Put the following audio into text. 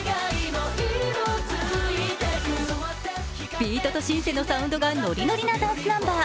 ビートとシンセのサウンドがノリノリなダンスナンバー。